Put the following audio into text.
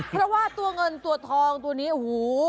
เพราะว่าตัวเงินตัวทองตัวนี้โอ้โห